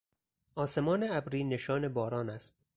آسمان ابری نشان باران است.